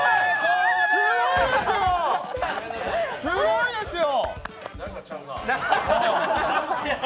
すごいですよ！